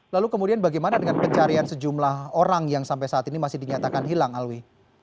lalu kemudian bagaimana dengan pencarian sejumlah orang yang sampai saat ini masih dinyatakan hilang alwi